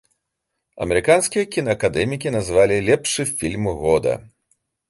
Амерыканскія кінаакадэмікі назвалі лепшы фільм года.